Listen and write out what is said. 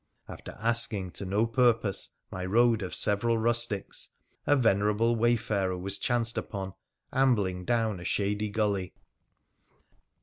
After asking, to no purpose, my road of several rustics, a venerable wayfarer was chanced upon, ambling down a shady gully.